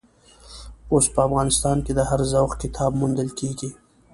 اوس په افغانستان کې د هر ذوق کتاب موندل کېږي.